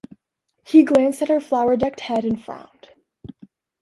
He glanced at her flower-decked head and frowned.